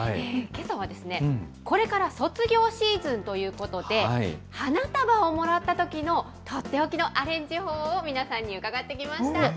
けさは、これから卒業シーズンということで、花束をもらったときの取って置きのアレンジ法を皆さんに伺ってきました。